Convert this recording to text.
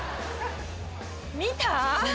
見た？